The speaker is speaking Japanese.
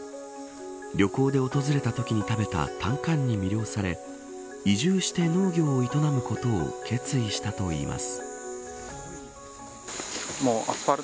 旅行で訪れたときに食べたタンカンに魅了され移住して農業を営むことを決意したといいます。